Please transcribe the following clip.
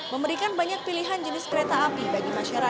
memberikan banyak pilihan jenis kereta api bagi masyarakat